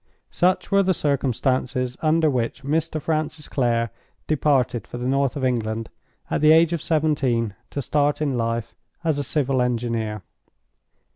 Such were the circumstances under which Mr. Francis Clare departed for the north of England, at the age of seventeen, to start in life as a civil engineer.